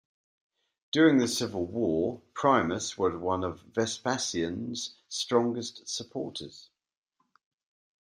During the civil war, Primus was one of Vespasian's strongest supporters.